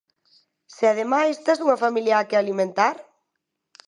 Se, ademais, tes unha familia á que alimentar?